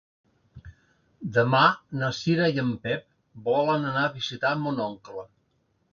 Demà na Cira i en Pep volen anar a visitar mon oncle.